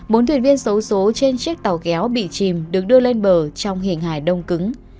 bốn thuyền viên xấu xố trên chiếc tàu kéo bị chìm được đưa lên bờ trong hình hài đông cứng